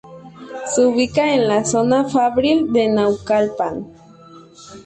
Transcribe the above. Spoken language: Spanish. Se ubica en la zona fabril de Naucalpan.